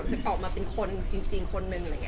จะปลอบมาเป็นคนจริงคนหนึ่ง